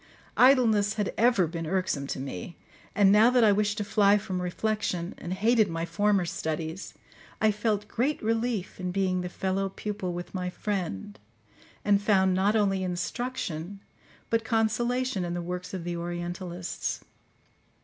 Idleness had ever been irksome to me, and now that I wished to fly from reflection, and hated my former studies, I felt great relief in being the fellow pupil with my friend, and found not only instruction but consolation in the works of the orientalists.